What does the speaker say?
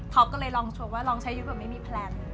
ท็อปก็เลยลองชวนว่าลองใช้ชีวิตแบบไม่มีแพลน